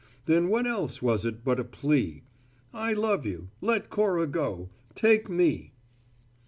Then what else was it but a plea? "I love you. Let Cora go. Take me."